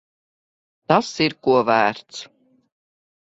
Tas ir ko vērts.